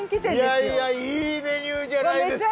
いやいやいいメニューじゃないですか！